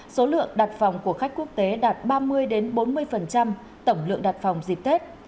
số lượng đặt phòng của khách quốc tế đạt ba mươi bốn mươi tổng lượng đặt phòng dịp tết